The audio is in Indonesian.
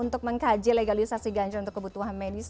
untuk mengkaji legalisasi ganja untuk kebutuhan medis